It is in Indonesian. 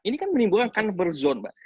ini kan menimbulkan convert zone pak